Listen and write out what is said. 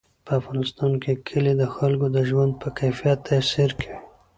په افغانستان کې کلي د خلکو د ژوند په کیفیت تاثیر کوي.